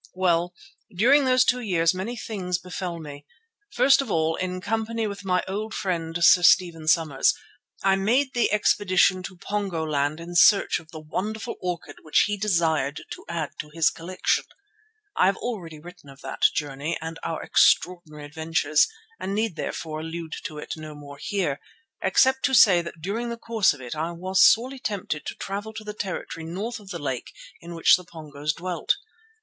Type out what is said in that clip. Well, during those two years many things befell me. First of all, in company with my old friend Sir Stephen Somers, I made the expedition to Pongoland in search of the wonderful orchid which he desired to add to his collection. I have already written of that journey and our extraordinary adventures, and need therefore allude to it no more here, except to say that during the course of it I was sorely tempted to travel to the territory north of the lake in which the Pongos dwelt.